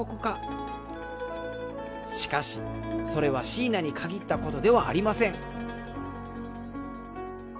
しかしそれは椎名に限った事ではありません。